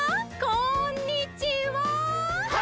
こんにちは！